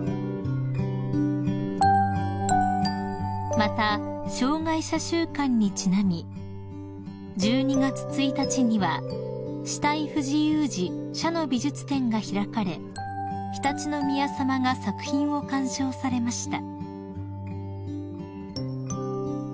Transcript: ［また障害者週間にちなみ１２月１日には肢体不自由児・者の美術展が開かれ常陸宮さまが作品を鑑賞されました］